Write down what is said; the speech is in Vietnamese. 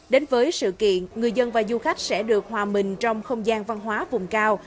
đến với sự kiện người dân và du khách sẽ được hòa mình trong không gian văn hóa vùng cao